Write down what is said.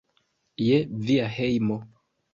Je via hejmo!